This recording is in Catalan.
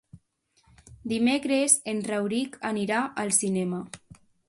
Dimecres en Rauric anirà al cinema.